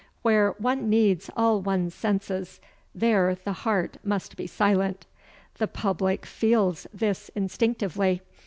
Where one needs all one's senses, there the heart must be silent. The public feels this instinctively.